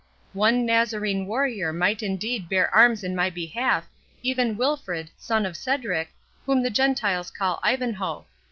One Nazarene warrior might indeed bear arms in my behalf, even Wilfred, son of Cedric, whom the Gentiles call Ivanhoe.